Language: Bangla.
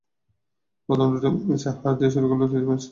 প্রথম দুটো ম্যাচে হার দিয়ে শুরু করলেও তৃতীয় ম্যাচটি তারা জিতেছিল।